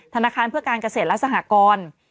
ธนาคารเพื่อการเกษตรและสหกร